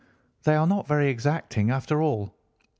They are not very exacting, after all.